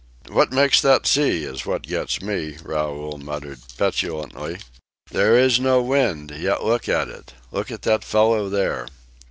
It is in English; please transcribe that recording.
"What makes that sea is what gets me," Raoul muttered petulantly. "There is no wind, yet look at it, look at that fellow there!"